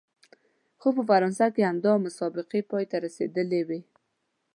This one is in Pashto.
خو په فرانسه کې همدا مسابقې پای ته رسېدلې وې.